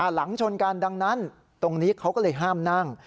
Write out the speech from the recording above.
หลังชนกันดังนั้นตรงนี้เขาก็เลยห้ามนั่ง